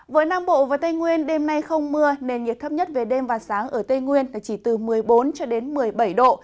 với nam bộ và tây nguyên đêm nay không mưa nền nhiệt thấp nhất về đêm và sáng ở tây nguyên chỉ từ một mươi bốn cho đến một mươi bảy độ